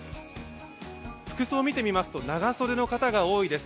服装を見てみますと、長袖の方が多いです。